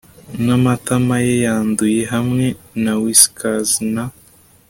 namatama ye yanduye hamwe na whiskers na